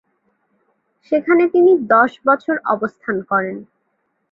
সেখানে তিনি দশ বছর অবস্থান করেন।